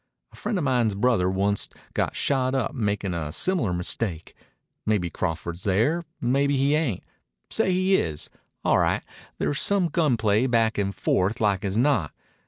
A friend of mine's brother onct got shot up makin' a similar mistake. Maybe Crawford's there. Maybe he ain't. Say he is. All right. There's some gun play back and forth like as not.